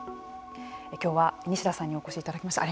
きょうは西田さんにお越しいただきました。